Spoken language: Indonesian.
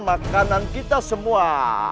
makanan kita semua